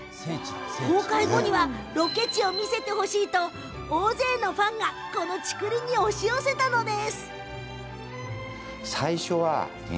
公開後にはロケ地を見せてほしいと大勢のファンがこの竹林に押し寄せたんです。